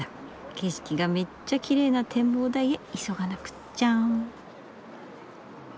景色がめっちゃキレイな展望台へ急がなくっちゃ。